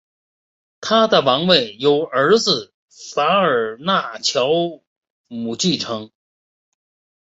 他的王位由儿子法尔纳乔姆继承。